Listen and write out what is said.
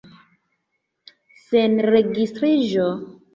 Sen registriĝo.